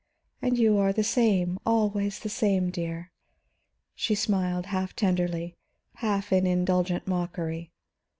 And you are the same, always the same, dear." She smiled, half tenderly, half in indulgent mockery.